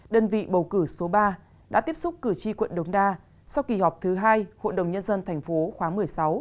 đơn vị bầu cử số ba đã tiếp xúc cử tri quận đống đa sau kỳ họp thứ hai hội đồng nhân dân tp khóa một mươi sáu